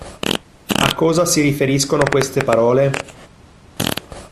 A cosa si riferiscono queste parole?